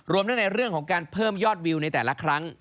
นั่นในเรื่องของการเพิ่มยอดวิวในแต่ละครั้ง